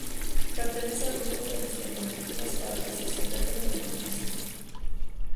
Pertenece al grupo de las Tecnologías para la Sociedad de la información.